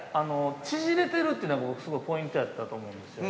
◆縮れてるというのが僕、すごいポイントやったと思うんですよ。